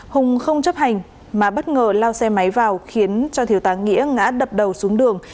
hùng không chấp hành mà bất ngờ lao xe máy vào khiến cho thiếu tá nghĩa ngã đập đầu xuống đường